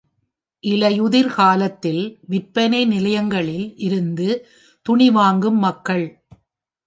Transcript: இலையுதிர் காலத்தில் விற்பனை நிலையங்களில் இருந்து துணி வாங்கும் மக்கள்.